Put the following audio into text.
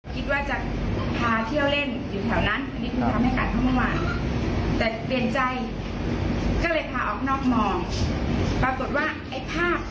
ก็ดูดิค่ะพี่ส่งรูปให้ดูในไลน์มันเป็นชุดหมี